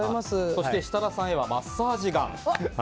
そして設楽さんへはマッサージガン。